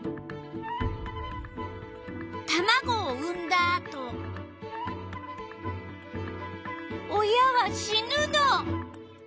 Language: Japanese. タマゴを産んだあと親は死ぬの。